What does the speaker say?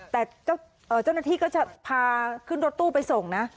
แต่เจ้าหน้าที่ก็จะพาขึ้นรถตู้ไปส่งนะ